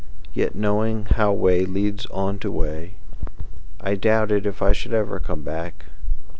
Yet knowing how way leads on to way,I doubted if I should ever come back.